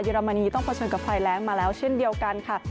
อรมนีต้องเผชิญกับไฟแรงมาแล้วเช่นเดียวกันค่ะ